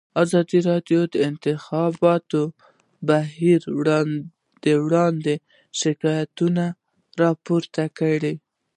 ازادي راډیو د د انتخاباتو بهیر اړوند شکایتونه راپور کړي.